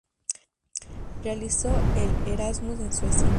Realizó el Erasmus en Suecia.